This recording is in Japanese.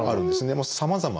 もうさまざま。